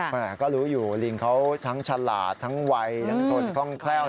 แหวะก็รู้อยู่ลิงเขาทั้งชาลาษต์ทั้งวัยทั้งสดทั้งแคล้ว